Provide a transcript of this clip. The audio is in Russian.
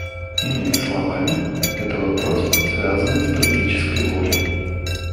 Иными словами, это — вопрос, связанный с политической волей.